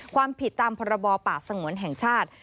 ความผิดตามพรบป่าสงวนแห่งชาติ